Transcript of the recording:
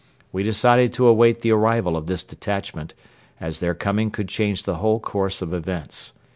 We decided to await the arrival of this detachment, as their coming could change the whole course of events.